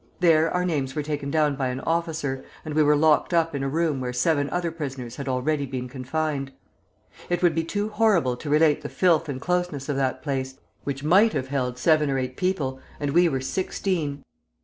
There our names were taken down by an officer, and we were locked up in a room where seven other prisoners had already been confined. It would be too horrible to relate the filth and closeness of that place, which might have held seven or eight people, and we were sixteen!